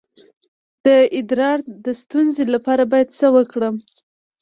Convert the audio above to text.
د ادرار د ستونزې لپاره باید څه وکړم؟